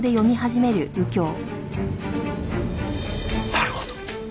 なるほど。